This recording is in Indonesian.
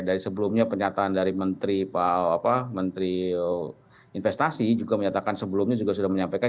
dari sebelumnya pernyataan dari menteri investasi juga menyatakan sebelumnya juga sudah menyampaikan